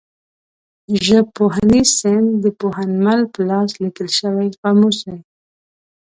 ژبپوهنیز سیند د پوهنمل په لاس لیکل شوی قاموس دی.